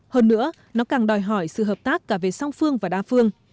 hơn nữa nó càng đòi hỏi sự hợp tác cả về song phương và đa phương